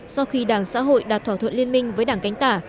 sau khi đảng xã hội đạt thỏa thuận liên minh với đảng cánh tả